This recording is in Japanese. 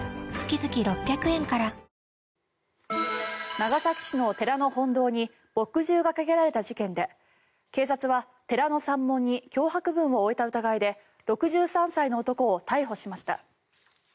長崎市の寺の本堂に墨汁がかけられた事件で警察は寺の山門に脅迫文を置いた疑いで６３歳の男を逮捕しました。